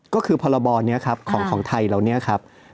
ก็คือพรบรของไทยเรา